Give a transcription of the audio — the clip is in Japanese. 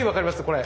これ。